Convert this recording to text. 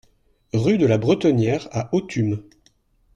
Rue de la Bretenière à Authume